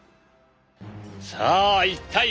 さあ一体